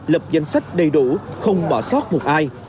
lập danh sách đầy đủ không bỏ sót một ai